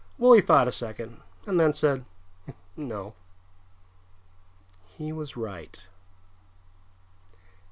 Willie thought a second and then said, "No." He was right.